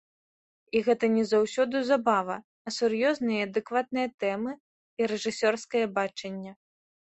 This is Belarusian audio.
І гэта не заўсёды забава, а сур'ёзныя і адэкватныя тэмы і рэжысёрскае бачанне.